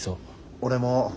俺も。